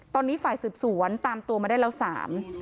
ตอนนี้ฝ่ายสริมสวนตามตัวมาได้ละ๓